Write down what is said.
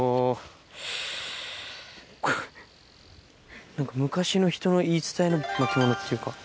これ何か昔の人の言い伝えの巻物っていうか。